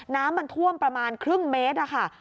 น้ำมันท่วมประมาณครึ่งเมตรค่ะ